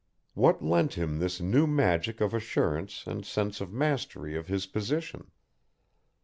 What lent him this new magic of assurance and sense of mastery of his position?